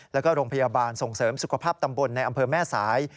แล้วก็โรงพยาบาลส่งเสริมสุขภาพตำบลในอำเภอแม่สาย